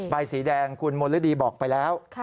ใบสีแดงคุณมนฤดีบอกไปแล้ว